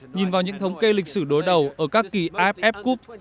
nhìn vào những thống kê lịch sử đối đầu ở các kỳ iff cup